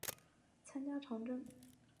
参加长征。